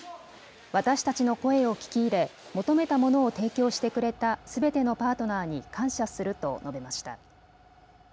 私たちの声を聞き入れ、求めたものを提供してくれたすべてのパートナーに感謝すると述べました。